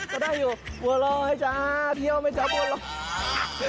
ก็ได้อยู่บัวรอยจ๊ะเที่ยวไหมจ๊ะบัวรอย